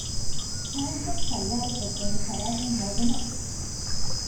ހޭންޑްބުކް ތައްޔާރުކޮށްދޭނެ ފަރާތެއް ހޯދުމަށް